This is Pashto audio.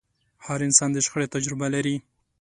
هر انسان د شخړې تجربه لري.